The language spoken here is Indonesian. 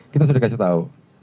kita sudah kasih tahu